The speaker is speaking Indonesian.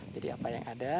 jadi apa yang ada